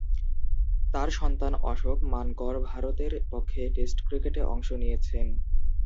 তার সন্তান অশোক মানকড় ভারতের পক্ষে টেস্ট ক্রিকেটে অংশ নিয়েছেন।